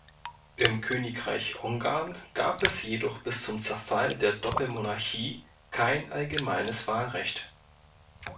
Im Königreich Ungarn gab es jedoch bis zum Zerfall der Doppelmonarchie kein allgemeines Wahlrecht.